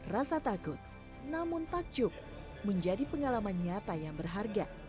rasa takut namun takjub menjadi pengalaman nyata yang berharga